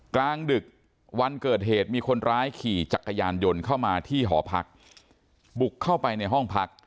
กลางดึกวันเกิดเหตุมีคนร้ายขี่จักรยานยนต์เข้ามาที่หอพักบุกเข้าไปในห้องพัก